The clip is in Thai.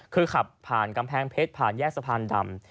คือขับผ่านกำแพงเพชรผ่านแยกสะพานดำ